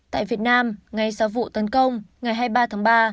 tại việt nam ngay sau vụ tấn công ngày hai mươi ba tháng ba